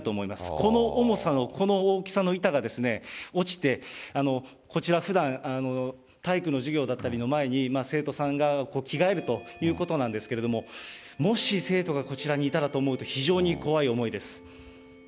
この重さの、この大きさの板が落ちて、こちら、ふだん、体育の授業だったりの前に、生徒さんが着替えるということなんですけれども、もし生徒がこちらにいたらと思うと、非常に怖い思いです。